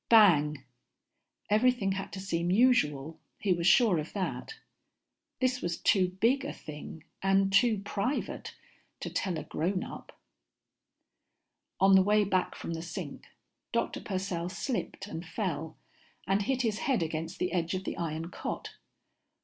"Bang." Everything had to seem usual; he was sure of that. This was too big a thing, and too private, to tell a grownup. On the way back from the sink, Dr. Purcell slipped and fell and hit his head against the edge of the iron cot.